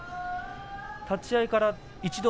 立ち合いから一度